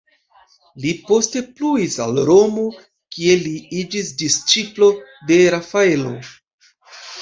Li poste pluis al Romo, kie li iĝis disĉiplo de Rafaelo.